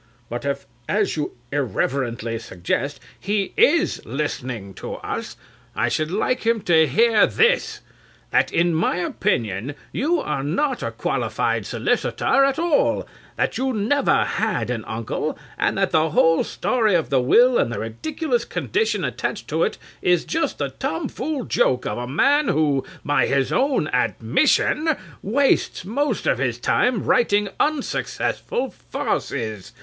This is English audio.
But if, as you irreverently suggest, he is listening to us, I should like him to hear this. That, in my opinion, you are not a qualified solicitor at all, that you never had an uncle, and that the whole story of the will and the ridiculous condition attached to it is just the tomfool joke of a man who, by his own admission, wastes most of his time writing unsuccessful farces.